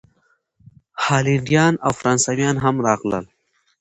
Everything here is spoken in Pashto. هالینډیان او فرانسویان هم راغلل.